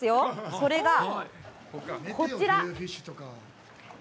それがこちら。